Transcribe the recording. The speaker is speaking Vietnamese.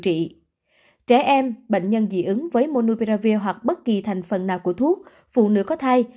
trẻ em bệnh nhân dị ứng với monupravi hoặc bất kỳ thành phần nào của thuốc phụ nữ có thai